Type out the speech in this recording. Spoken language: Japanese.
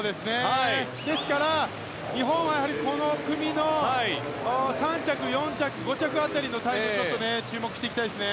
ですから日本はこの組の３着、４着、５着のタイムに注目していきたいですね。